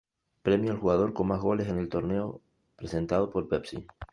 Premio al jugador con más goles en el torneo, presentado por Pepsi.